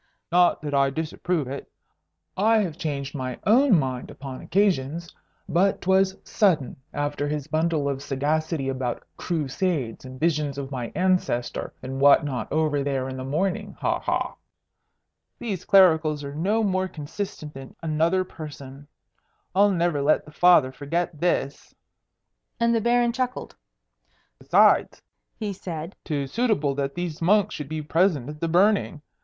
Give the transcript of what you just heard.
"Not that I disapprove it. I have changed my own mind upon occasions. But 'twas sudden, after his bundle of sagacity about Crusades and visions of my ancestor and what not over there in the morning. Ha! ha! These clericals are no more consistent than another person. I'll never let the Father forget this." And the Baron chuckled. "Besides," he said, "'tis suitable that these monks should be present at the burning.